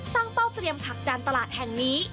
ตั้งเป้าเตรียมผลักดันตลาดแห่งนี้